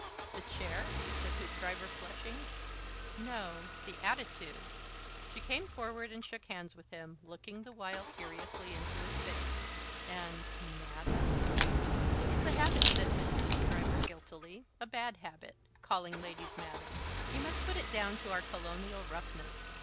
"The chair?" said Hoopdriver, flushing. "No the attitude." She came forward and shook hands with him, looking the while curiously into his face. "And Madam?" "It's a habit," said Mr. Hoopdriver, guiltily. "A bad habit. Calling ladies Madam. You must put it down to our colonial roughness.